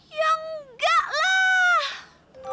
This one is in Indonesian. yang enggak lah